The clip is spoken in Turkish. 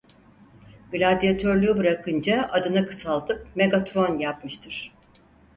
Gladyatörlüğü bırakınca adını kısaltıp "Megatron" yapmıştır.